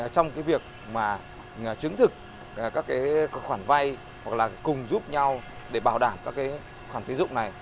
trong cái việc mà chứng thực các cái khoản vai hoặc là cùng giúp nhau để bảo đảm các cái khoản tiến dụng này